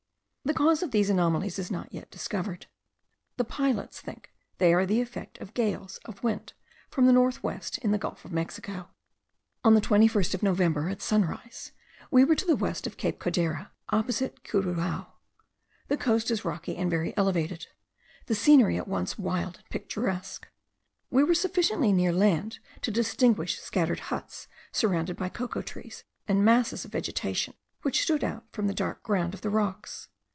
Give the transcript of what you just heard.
The cause of these anomalies is not yet discovered. The pilots think they are the effect of gales of wind from the north west in the gulf of Mexico. On the 21st of November, at sunrise, we were to the west of Cape Codera, opposite Curuao. The coast is rocky and very elevated, the scenery at once wild and picturesque. We were sufficiently near land to distinguish scattered huts surrounded by cocoa trees, and masses of vegetation, which stood out from the dark ground of the rocks.